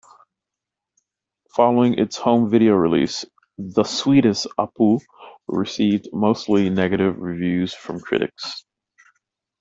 Following its home video release, "The Sweetest Apu" received mostly negative reviews from critics.